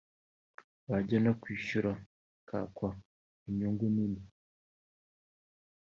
bajya no kwishyura bakakwa inyungu nini